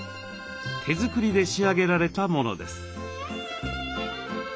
手作りで仕上げられたものです。